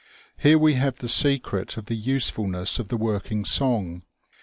Here we have the secret of the usefulness of the working song.